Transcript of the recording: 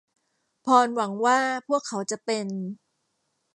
พอลหวังว่าพวกเขาจะเป็น